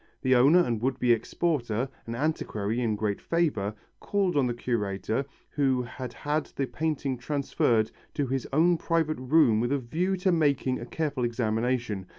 The owner and would be exporter, an antiquary in great favour, called on the curator, who had had the painting transferred to his own private room with a view to making a careful examination.